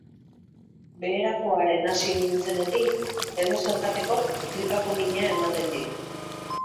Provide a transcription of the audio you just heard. Beherakoaren hasi nintzenetik, edozer jatekok tripako mina egiten dit.